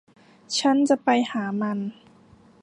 ฉันจะไปหามัน